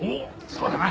そうだな。